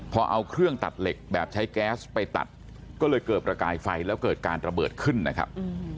พอเอาเครื่องตัดเหล็กแบบใช้แก๊สไปตัดก็เลยเกิดประกายไฟแล้วเกิดการระเบิดขึ้นนะครับ